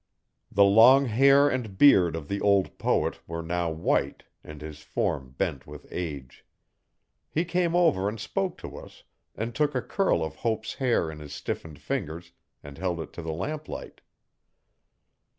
The long hair and beard of the old poet were now white and his form bent with age. He came over and spoke to us and took a curl of Hope's hair in his stiffened fingers and held it to the lamplight.